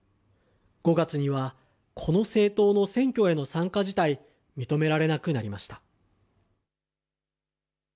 ５月には、この政党の選挙への参加自体、認められなくなりました。